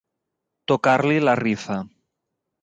Tocar-li la rifa.